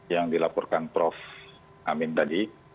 yang dilaporkan prof amin tadi